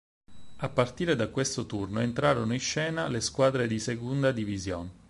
A partire da questo turno entrarono in scena le squadre di Segunda División.